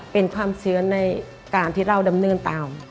เป็นความเชื่อในการที่เราดำเนินตาม